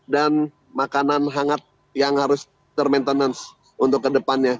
dan makanan hangat yang harus termaintenance untuk kedepannya